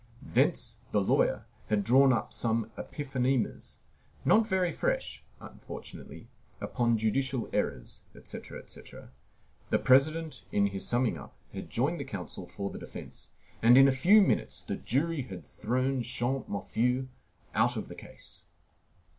Thence the lawyer had drawn some epiphonemas, not very fresh, unfortunately, upon judicial errors, etc., etc.; the President, in his summing up, had joined the counsel for the defence, and in a few minutes the jury had thrown Champmathieu out of the case.